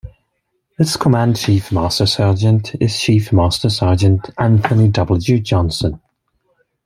Its Command Chief Master Sergeant is Chief Master Sergeant Anthony W. Johnson.